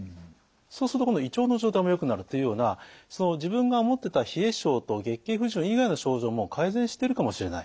そうすると今度胃腸の状態もよくなるというようなその自分が思ってた冷え性と月経不順以外の症状も改善してるかもしれない。